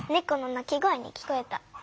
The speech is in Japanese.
この鳴き声に聞こえた。